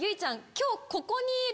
今日ここにいる。